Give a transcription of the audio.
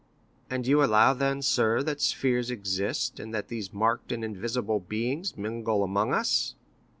"And you allow then, sir, that spheres exist, and that these marked and invisible beings mingle amongst us?"